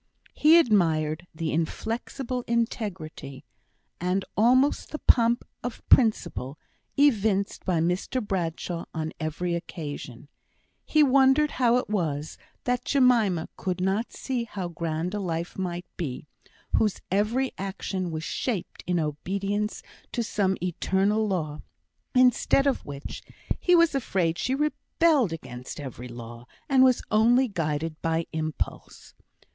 He admired the inflexible integrity and almost the pomp of principle evinced by Mr Bradshaw on every occasion; he wondered how it was that Jemima could not see how grand a life might be, whose every action was shaped in obedience to some eternal law; instead of which, he was afraid she rebelled against every law, and was only guided by impulse.